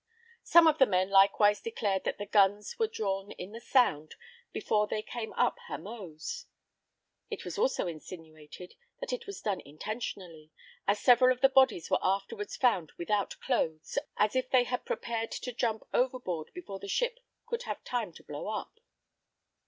Some of the men likewise declared that the guns were drawn in the Sound before they came up Hamoaze. It was also insinuated, that it was done intentionally, as several of the bodies were afterwards found without clothes, as if they had prepared to jump overboard before the ship could have time to blow up.